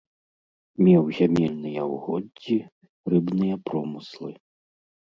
Меў зямельныя ўгоддзі, рыбныя промыслы.